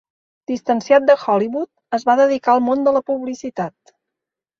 Distanciat de Hollywood, es va dedicar al món de la publicitat.